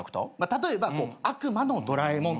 例えば悪魔のドラえもんとかね。